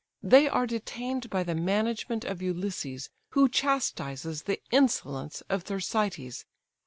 They are detained by the management of Ulysses, who chastises the insolence of Thersites.